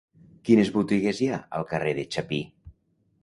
Quines botigues hi ha al carrer de Chapí?